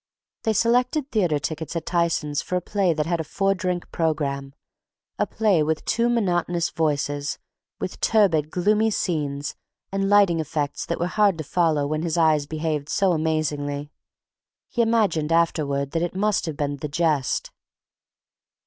They selected theatre tickets at Tyson's for a play that had a four drink programme—a play with two monotonous voices, with turbid, gloomy scenes, and lighting effects that were hard to follow when his eyes behaved so amazingly. He imagined afterward that it must have been "The Jest."...